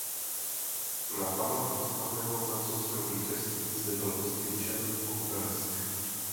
Na památku slavného francouzského vítězství zde byl vztyčen obelisk.